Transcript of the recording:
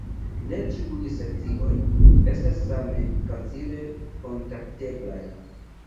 Ne ĉiuj sekcioj estas same facile kontakteblaj.